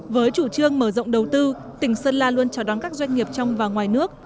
với chủ trương mở rộng đầu tư tỉnh sơn la luôn chào đón các doanh nghiệp trong và ngoài nước